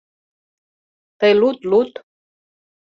— Тый луд, луд.